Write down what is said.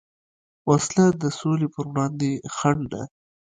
وسله د سولې پروړاندې خنډ ده